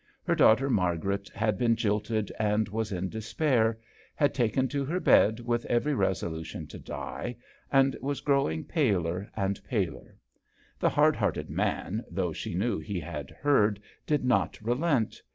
Her daughter Margaret, had been jilted and was in despair, had taken to her bed with every resolution to die, and was grow ing paler and paler. The hard hearted man, though she knew he had heard, did not relent.